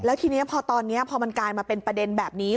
แล้วทีนี้พอตอนนี้พอมันกลายมาเป็นประเด็นแบบนี้